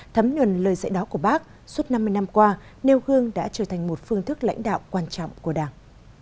thấm nhuần lời dạy đó của bác suốt năm mươi năm qua nêu gương đã trở thành một phương thức lãnh đạo quan trọng của đảng